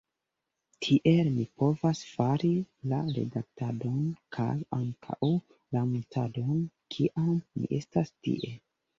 Tiel mi povas fari la redaktadon kaj ankaŭ la muntadon, kiam mi estas tie.